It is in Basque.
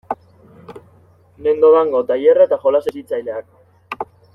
Nendo Dango tailerra eta jolas hezitzaileak.